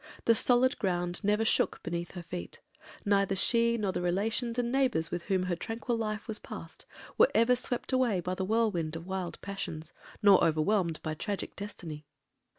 The solid ground never shook beneath her feet; neither she, nor the relations and neighbours with whom her tranquil life was passed, were ever swept away by the whirlwind of wild passions, nor overwhelmed by tragic destiny.